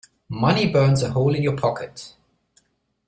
Money burns a hole in your pocket.